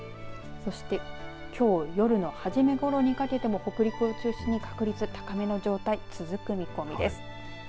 そして、きょう夜の初めごろにかけても北陸を中心に確率高めの状態続く見込みです。